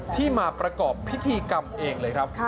ที่มาประกอบพิธีกรรมเองเลยครับ